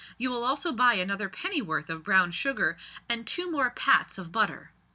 You will also buy another pennyworth of brown sugar, and two more pats of butter."